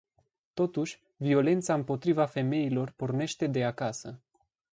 Totuși, violența împotriva femeilor pornește de acasă.